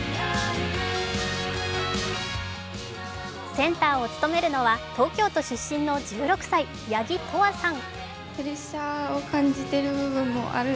センターを務めるのは東京都出身の１６歳、八木仁愛さん。